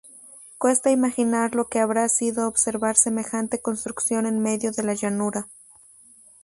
Cuesta imaginar lo que habrá sido observar semejante construcción en medio de la llanura.